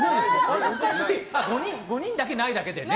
５人だけないだけで。